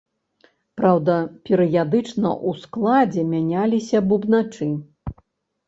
Праўда, перыядычна ў складзе мяняліся бубначы.